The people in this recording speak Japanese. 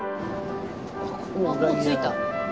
あっもう着いた？